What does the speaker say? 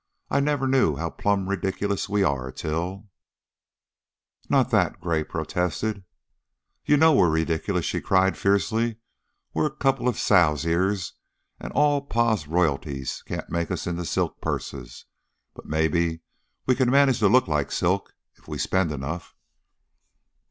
I never knew how plumb ridic'lous we are till " "Not that," Gray protested. "You know we're ridic'lous," she cried, fiercely. "We're a couple of sow's ears and all Pa's royalties can't make us into silk purses. But mebbe we can manage to look like silk, if we spend enough."